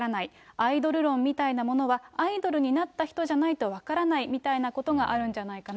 アイドル論みたいなものはアイドルになった人じゃないと分からないみたいなことがあるんじゃないかな。